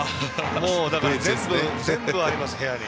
だから全部あります、部屋に。